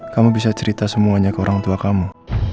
kamu bisa cerita semuanya ke orang tua kamu